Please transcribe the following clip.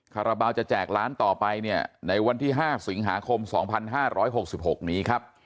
คาราบาลจะแจกล้านต่อไปเนี่ยในวันที่๕สิงหาคม๒๕๖๖นี้ครับ